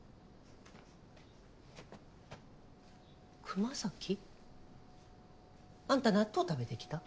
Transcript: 熊咲？あんた納豆食べてきた？